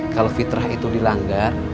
kalau fitrah itu dilanggar